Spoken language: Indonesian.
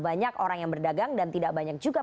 banyak orang yang berdagang dan tidak banyak juga